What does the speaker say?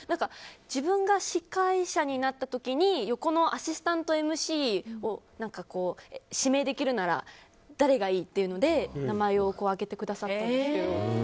自分が司会者になった時に横のアシスタントＭＣを指名できるなら誰がいい？っていうので名前を挙げてくださって。